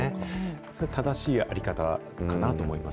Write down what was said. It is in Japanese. それ、正しい在り方かなと思いま